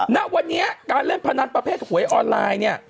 ณวันนี้การเล่นพนันประเภทหวยออนไลน์เนี่ย